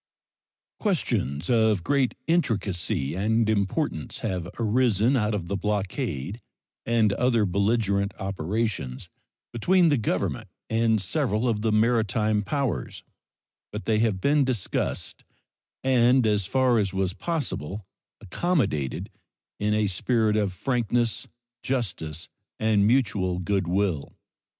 Questions of great intricacy and importance have arisen out of the blockade and other belligerent operations between the Government and several of the maritime powers, but they have been discussed and, as far as was possible, accommodated in a spirit of frankness, justice, and mutual good will.